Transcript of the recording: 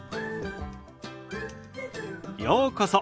ようこそ。